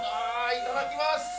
いただきます！